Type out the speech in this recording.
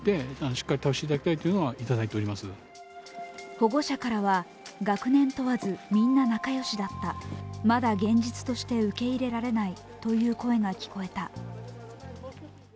保護者からは、学年問わずみんな仲良しだった、まだ現実として受け入れられないという声が聞こえた。